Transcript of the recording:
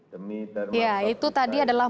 demi ya itu tadi adalah